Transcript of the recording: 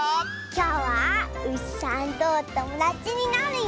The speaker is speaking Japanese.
きょうはうしさんとおともだちになるよ！